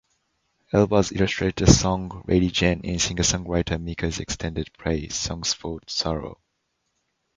Elbaz illustrated the song "Lady Jane" in singer-songwriter Mika's extended play "Songs for Sorrow".